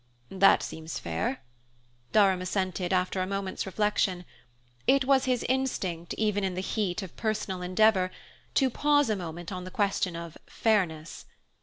"That seems fair," Durham assented after a moment's reflection: it was his instinct, even in the heat of personal endeavour, to pause a moment on the question of "fairness."